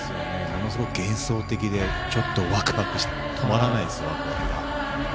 ものすごく幻想的でちょっとワクワクが止まらないですね。